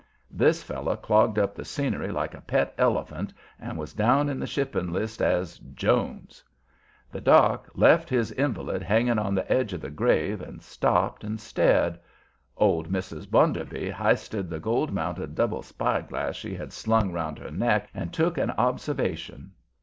This fellow clogged up the scenery like a pet elephant, and was down in the shipping list as "Jones." The doc left his invalid hanging on the edge of the grave, and stopped and stared. Old Mrs. Bounderby h'isted the gold mounted double spyglass she had slung round her neck and took an observation.